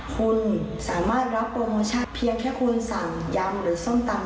คุณสามารถรับโปรโมชั่นเพียงแค่คุณสั่งยำหรือส้มตำ